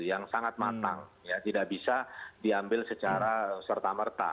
yang sangat matang tidak bisa diambil secara serta merta